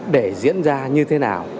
để diễn ra như thế nào